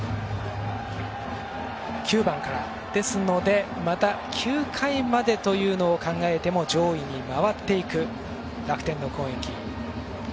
９番からですのでまた９回までというのを考えても上位に回っていく、楽天の攻撃。